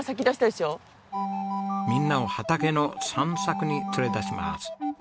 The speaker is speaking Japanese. みんなを畑の散策に連れ出します。